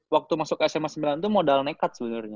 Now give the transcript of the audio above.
waktu masuk sma sembilan tuh modal nekat sebenernya